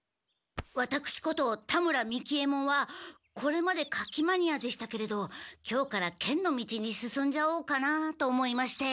ワタクシこと田村三木ヱ門はこれまで火器マニアでしたけれど今日から剣の道に進んじゃおうかなと思いまして。